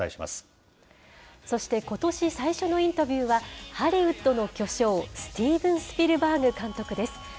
そして、ことし最初のインタビューは、ハリウッドの巨匠、スティーブン・スピルバーグ監督です。